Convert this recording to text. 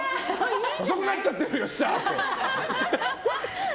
細くなっちゃってるよ、下！って。